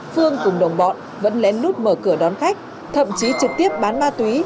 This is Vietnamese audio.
phương cùng đồng bọn vẫn lén lút mở cửa đón khách thậm chí trực tiếp bán ma túy